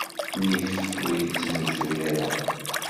Nnif ur yettnuz ara.